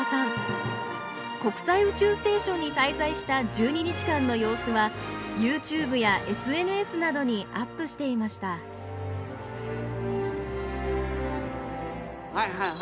国際宇宙ステーションに滞在した１２日間の様子はＹｏｕＴｕｂｅやＳＮＳなどにアップしていましたはい！